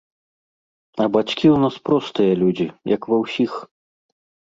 А бацькі ў нас простыя людзі, як ва ўсіх.